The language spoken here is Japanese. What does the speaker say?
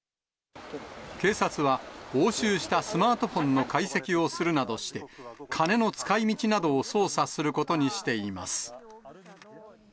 警察は、押収したスマートフォンの解析をするなどして、金の使いみちなどを捜査することにしています。